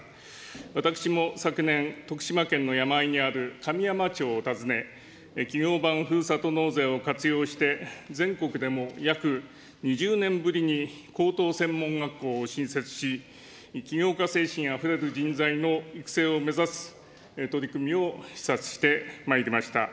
私も昨年、徳島県の山あいにあるかみやま町を訪ね、企業版ふるさと納税を活用して、全国でも約２０年ぶりに高等専門学校を新設し、起業家精神あふれる人材の育成を目指す取り組みを視察してまいりました。